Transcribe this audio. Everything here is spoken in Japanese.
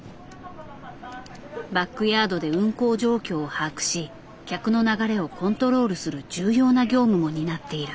バックヤードで運航状況を把握し客の流れをコントロールする重要な業務も担っている。